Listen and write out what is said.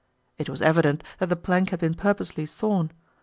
It was evident that the plank had been purposely sawn.